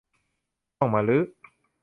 ต้องมารื้อ